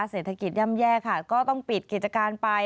เศรษฐกิจย่ำแย่ค่ะก็ต้องปิดกิจการไป